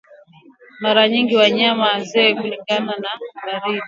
Mara nyingi wanyama wazee hukutwa wakiwa wamekufa kwa ugonjwa wa ndigana baridi